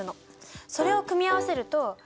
それを組み合わせると。